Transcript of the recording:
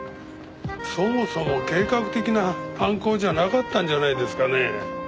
そもそも計画的な犯行じゃなかったんじゃないですかね？